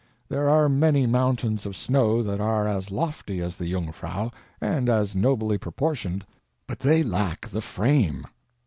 There are many mountains of snow that are as lofty as the Jungfrau and as nobly proportioned, but they lack the frame.